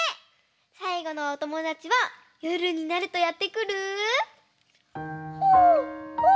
さいごのおともだちはよるになるとやってくるホーホー。